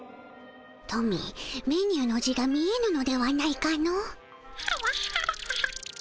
トミーメニューの字が見えぬのではないかの？はわはわ。